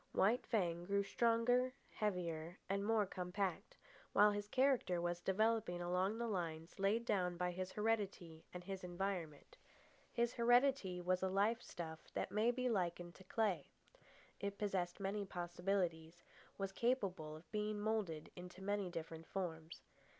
White Fang grew stronger, heavier, and more compact, while his character was developing along the lines laid down by his heredity and his environment. His heredity was a life stuff that may be likened to clay. It possessed many possibilities, was capable of being moulded into many different forms.